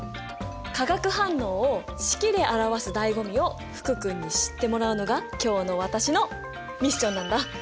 化学反応を式で表すだいご味を福君に知ってもらうのが今日の私のミッションなんだ！